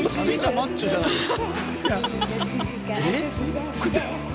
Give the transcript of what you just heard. マッチョじゃないですか。